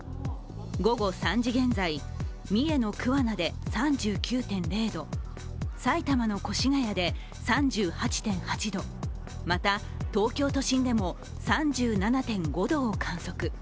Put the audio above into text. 午後３時現在、三重の桑名で３９．０度、埼玉の越谷で３８．８度、また、東京都心でも３７．５度を観測。